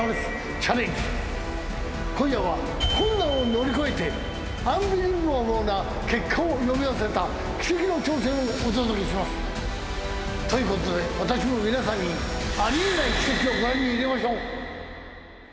今夜は困難を乗り越えてアンビリバボーな結果を呼び寄せた奇跡の挑戦をお届けします。ということで私も皆さんにあり得ない奇跡をご覧に入れましょう。